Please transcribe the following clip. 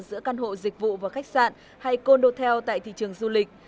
giữa căn hộ dịch vụ và khách sạn hay condo theo tại thị trường du lịch